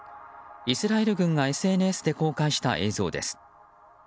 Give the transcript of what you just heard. イスラエル軍がＳＮＳで公開した映像です。